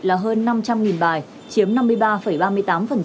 là hơn năm trăm linh bài chiếm năm mươi ba ba mươi tám